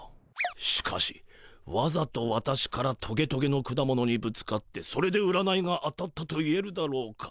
しかしわざと私からトゲトゲの果物にぶつかってそれで占いが当たったといえるだろうか。